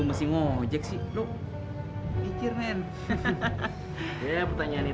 anggrek kok kamu sama dia sih